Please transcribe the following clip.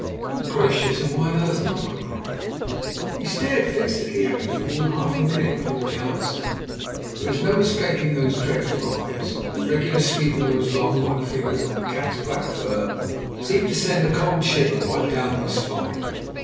"Good gracious! and why on earth not?" I cried. He stared fixedly at me for more than half a minute before he answered. There was no escaping those dreadful eyes, and the regular sweep of those long white fingers on the cat's black fur seemed to send a cold shiver right down my spine.